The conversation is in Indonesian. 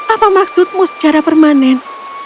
apa maksudmu secara permanen